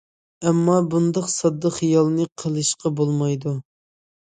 ئەمما، بۇنداق ساددا خىيالنى قىلىشقا بولمايدۇ.